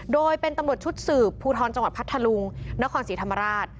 โดยเป็นตำรวจชุดสืบภูทรจังหวัดพัทธลุงนครศรีธรรมราช